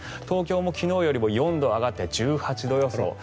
東京も昨日よりも４度上がって１８度予想。